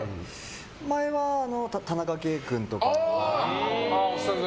前は田中圭君とか。